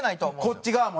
こっち側もね